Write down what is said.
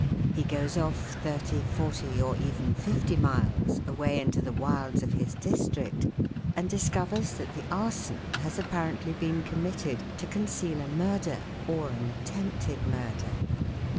He goes off 30, 40, or even 50 miles, away into the wilds of his district and discovers that the arson has apparently been committed to conceal a murder or an attempt ed murder.